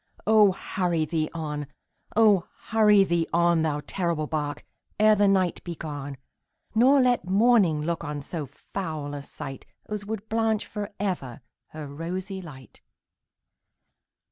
Oh! hurry thee on oh! hurry thee on, Thou terrible bark, ere the night be gone, Nor let morning look on so foul a sight As would blanch for ever her rosy light!